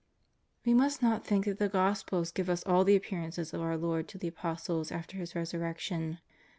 We must not think that the Gospels cive us all the Appearances of our Lord to the Apostles after His Res urrection.